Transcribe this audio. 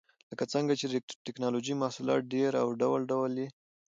لکه څنګه چې د ټېکنالوجۍ محصولات ډېر او ډول ډول دي.